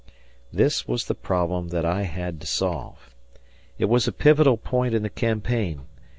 This was the problem that I had to solve. It was a pivotal point in the campaign.